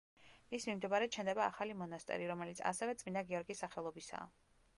მის მიმდებარედ შენდება ახალი მონასტერი, რომელიც ასევე წმინდა გიორგის სახელობისაა.